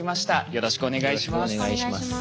よろしくお願いします。